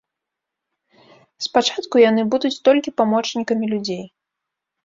Спачатку яны будуць толькі памочнікамі людзей.